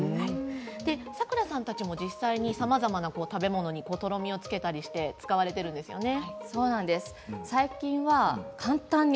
さくらさんたちも実際にさまざまな食べ物にとろみをつけたりして使われているんですよね。